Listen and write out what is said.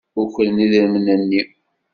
Ukren idrimen-nni.